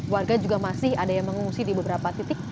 warga juga masih ada yang mengungsi di beberapa titik